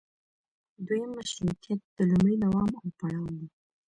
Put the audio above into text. دویم مشروطیت د لومړي دوام او پړاو و.